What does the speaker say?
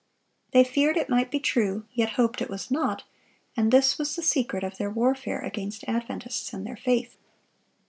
They feared it might be true, yet hoped it was not, and this was the secret of their warfare against Adventists and their faith.